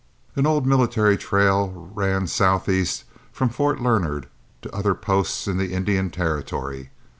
An old military trail ran southeast from Fort Larned to other posts in the Indian Territory.